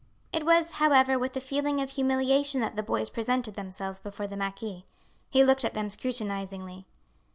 It was, however, with a feeling of humiliation that the boys presented themselves before the marquis. He looked at them scrutinizingly.